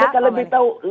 mereka lebih tahu